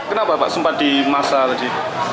kenapa pak sempat dimasak tadi